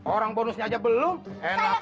orang bonusnya belum enak